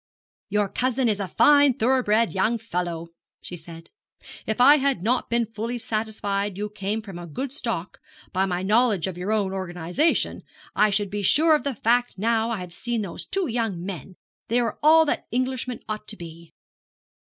'Your cousin is a fine thoroughbred young fellow,' she said. 'If I had not been fully satisfied you came from a good stock, by my knowledge of your own organisation, I should be sure of the fact now I have seen those two young men. They are all that Englishmen ought to be.'